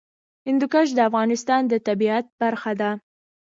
هندوکش د افغانستان د طبیعت برخه ده.